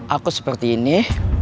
aku seperti ini